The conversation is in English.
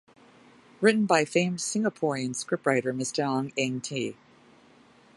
Written by famed Singaporean scriptwriter Mr. Ang Eng Tee.